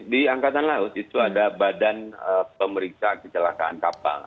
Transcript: di angkatan laut itu ada badan pemeriksa kecelakaan kapal